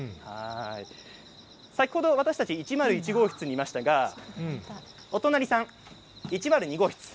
私たち１０１号室にいましたがお隣さん１０２号室